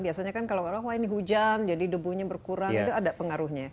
biasanya kan kalau orang wah ini hujan jadi debunya berkurang itu ada pengaruhnya